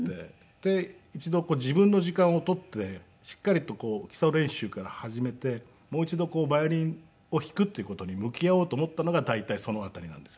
で一度自分の時間を取ってしっかりと基礎練習から始めてもう一度ヴァイオリンを弾くっていう事に向き合おうと思ったのが大体その辺りなんです。